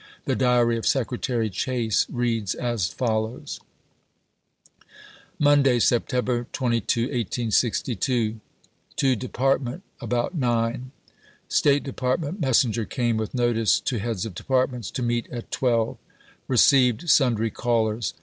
The diary of Secretary Chase reads as follows : Monday, Sept. 22, 1862. To Department about nine. State Department messen ger came with notice to heads of Departments to meet at twelve. Received sundry callers.